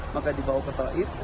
maka dibawa ke oif